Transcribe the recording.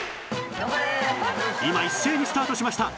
今一斉にスタートしました